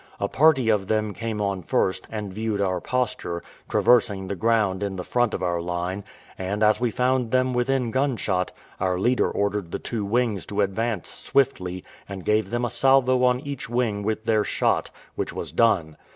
A party of them came on first, and viewed our posture, traversing the ground in the front of our line; and, as we found them within gunshot, our leader ordered the two wings to advance swiftly, and give them a salvo on each wing with their shot, which was done.